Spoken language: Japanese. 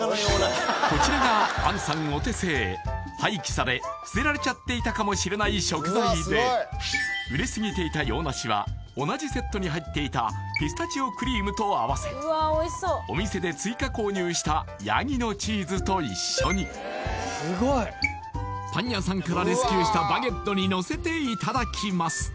こちらが杏さんお手製廃棄され捨てられちゃっていたかもしれない食材で熟れすぎていた洋梨は同じセットに入っていたピスタチオクリームと合わせお店で追加購入したヤギのチーズと一緒にパン屋さんからレスキューしたバゲットにのせていただきます